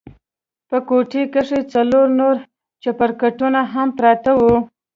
په کوټه کښې څلور نور چپرکټونه هم پراته وو.